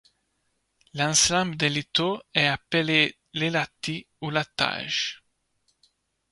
L'ensemble des liteaux est appelé le lattis ou lattage.